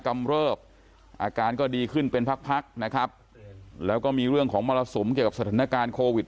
กำเริบอาการก็ดีขึ้นเป็นพักพักนะครับแล้วก็มีเรื่องของมรสุมเกี่ยวกับสถานการณ์โควิด